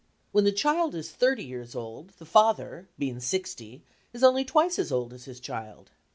When the child is thirty years old, the father, being sixty, is only twice as old as his child.